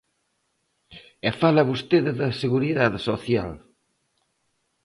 E fala vostede da Seguridade Social.